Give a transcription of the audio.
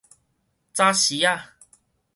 早時仔